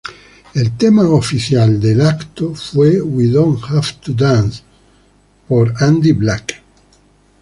El tema oficial del evento fue ""We Don't Have to Dance"" de Andy Black.